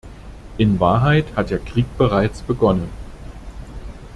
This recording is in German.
In Wahrheit hat der Krieg bereits begonnen.